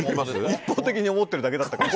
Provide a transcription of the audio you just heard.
一方的に思ってるだけだったかも。